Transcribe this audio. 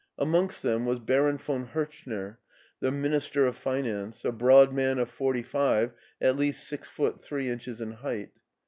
Amongst them was Baron von Hirchner, the Minister of Finance, a broad man of forty five, at least six foot three inches in height.